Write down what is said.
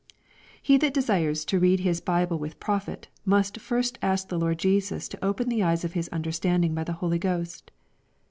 He that desires to read his Bible with profit, mxxtii first ask the Lord Jesus to open the eyes of his under standing by the Holy Ghost.